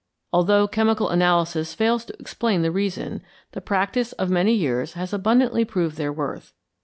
Although chemical analysis fails to explain the reason, the practice of many years has abundantly proved their worth.